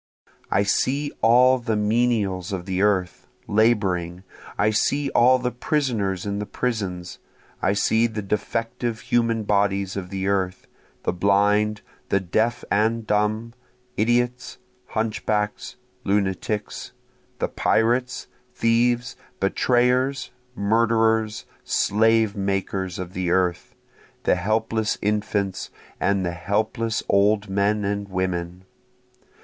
I see all the menials of the earth, laboring, I see all the prisoners in the prisons, I see the defective human bodies of the earth, The blind, the deaf and dumb, idiots, hunchbacks, lunatics, The pirates, thieves, betrayers, murderers, slave makers of the earth, The helpless infants, and the helpless old men and women.